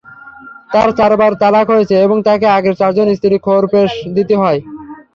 তার চারবার তালাক হয়েছে এবং তাকে আগের চারজন স্ত্রীর খোরপোশ দিতে হয়।